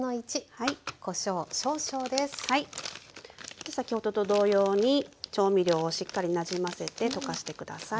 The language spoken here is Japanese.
で先ほどと同様に調味料をしっかりなじませて溶かして下さい。